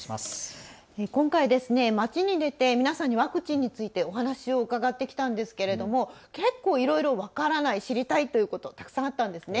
今回、街に出て皆さんにワクチンについてお話を伺ってきたんですがいろいろ分からない、知りたいということたくさんあったんです。